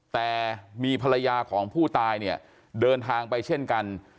แต่มีภรรยาของผู้ตายเนี่ยเดินทางไปเช่นกัน